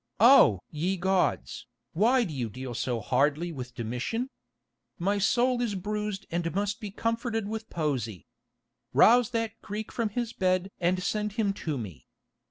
Oh! ye gods, why do you deal so hardly with Domitian? My soul is bruised and must be comforted with poesy. Rouse that Greek from his bed and send him to me.